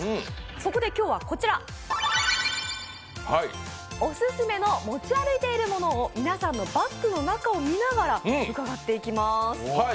そこで今日は、オススメの持ち歩いているものを皆さんのバッグの中を見ながらうかがっていきます。